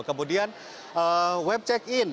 kemudian web check in